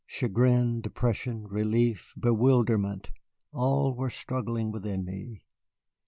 Chagrin, depression, relief, bewilderment, all were struggling within me.